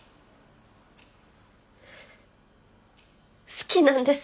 好きなんです。